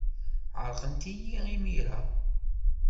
Ɛerqent-iyi imir-a.